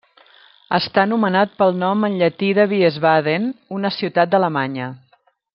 Està anomenat pel nom en llatí de Wiesbaden, una ciutat d'Alemanya.